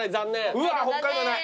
うわ北海道ない！